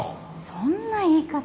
そんな言い方。